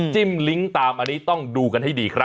ลิงก์ตามอันนี้ต้องดูกันให้ดีครับ